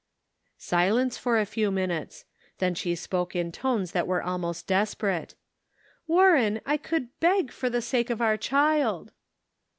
.' Silence for a few minutes ; then she spoke in tones that were almost desperate : "Warren, I could leg for the sake of our child."